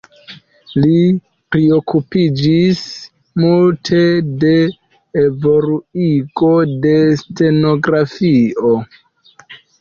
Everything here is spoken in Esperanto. Li priokupiĝis multe de evoluigo de stenografio.